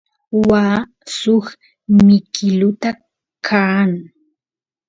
waa suk mikiluta qaan